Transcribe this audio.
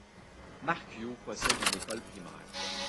Markio possède une école primaire.